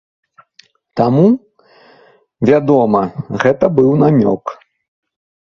Таму, вядома, гэта быў намёк.